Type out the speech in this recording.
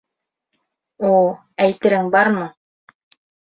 — У, әйтерең бармы.